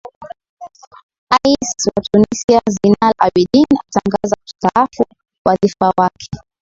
ais wa tunisia zinal abedin atangaza kustaafu wadhifa wake